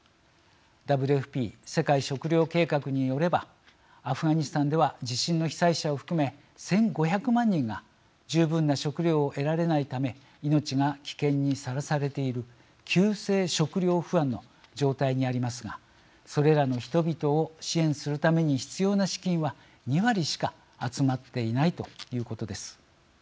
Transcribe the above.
ＷＦＰ＝世界食糧計画によればアフガニスタンでは地震の被災者を含め１５００万人が十分な食料を得られないため命が危険にさらされている急性食料不安の状態にありますがそれらの人々を支援するために必要な資金は、２割しか集まっていないということです。